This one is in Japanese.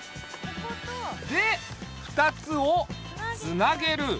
で２つをつなげる。